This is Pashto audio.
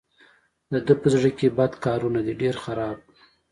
د ده په زړه کې بد کارونه دي ډېر خراب.